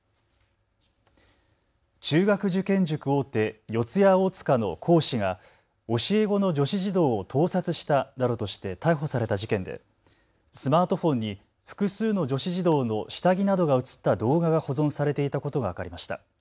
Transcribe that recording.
中学受験塾大手、四谷大塚の講師が教え子の女子児童を盗撮したなどとして逮捕された事件でスマートフォンに複数の女子児童の下着などが写った動画が保存されていたことが分かりました。